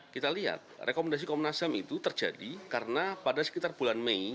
kita lihat rekomendasi komnas ham itu terjadi karena pada sekitar bulan mei